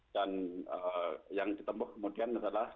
dan yang ditemukan kemudian adalah